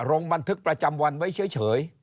ลงบันทึกประจำวันไว้เฉย